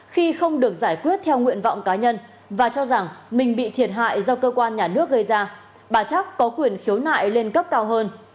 khi không được giải quyết theo nguyện vọng cá nhân và cho rằng mình bị thiệt hại do cơ quan nhà nước gây ra bà chắc có quyền khiếu nại lên cấp cao hơn